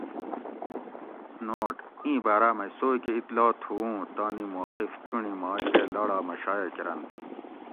نوٹ : ایں باراۤ مئ سوئ کہ اِطلاع تھوؤں تانی موقف چُنڑی ماکہ لاڑا مہ شایٔع کۤرنت